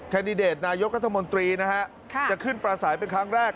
แคนดเดตนายกราธมตรีนะครับจะขึ้นปลาสายเป็นครั้งแรก